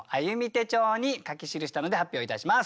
手帳に書き記したので発表いたします。